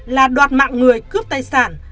là đoạt mạng người cướp tài sản